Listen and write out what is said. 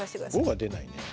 ５が出ないね。